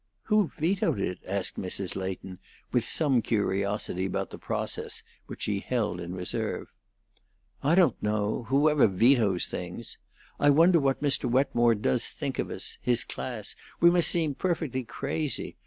"Who vetoed it?" asked Mrs. Leighton, with some curiosity about the process, which she held in reserve. "I don't know whoever vetoes things. I wonder what Mr. Wetmore does think of us his class. We must seem perfectly crazy.